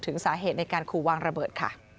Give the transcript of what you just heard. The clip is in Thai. ถึงสาเหตุในการขู่วางระเบิดค่ะ